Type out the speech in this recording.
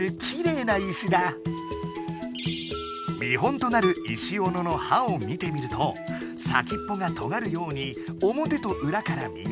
見本となる石オノの刃を見てみると先っぽがとがるようにおもてとうらから磨かれている。